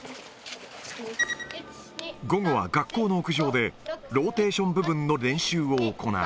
午後は学校の屋上で、ローテーション部分の練習を行う。